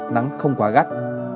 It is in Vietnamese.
nắng không quá gắt